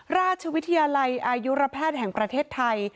ราชวิทยาลัยอายุรแพทย์แห่งประเทศไทย